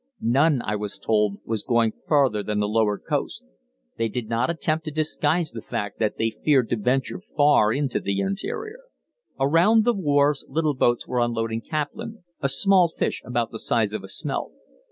None, I was told, was going farther than the lower coast; they did not attempt to disguise the fact that they feared to venture far into the interior. Around the wharves little boats were unloading caplin, a small fish about the size of a smelt.